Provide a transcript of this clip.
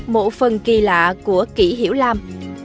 mộ phần kỳ lạ của kỷ hiểu lam